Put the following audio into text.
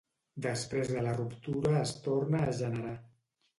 Després de la ruptura es torna a generar.